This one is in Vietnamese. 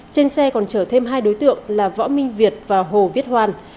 trên xe còn chở thêm hai đối tượng là võ minh việt và hồ viết hoàn